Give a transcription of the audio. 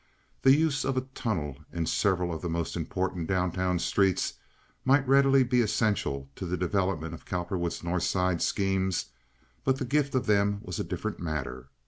The use of a tunnel and several of the most important down town streets might readily be essential to the development of Cowperwood's North Side schemes, but the gift of them was a different matter.